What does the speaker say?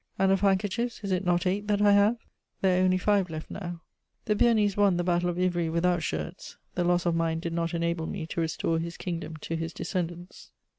"And of handkerchiefs, is it not eight that I have?" "There are only five left now." The Bearnese won the Battle of Ivry without shirts; the loss of mine did not enable me to restore his kingdom to his descendants.